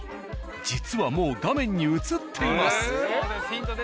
実はもう画面に映っています。